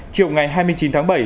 chiều ngày hai mươi chín tháng bảy